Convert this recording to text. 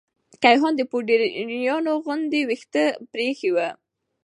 کيهان د پوډريانو غوندې ويښته پريخي وه.